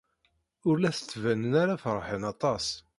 Ur la d-ttbanen ara feṛhen aṭas.